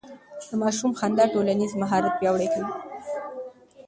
د ماشوم خندا ټولنيز مهارت پياوړی کوي.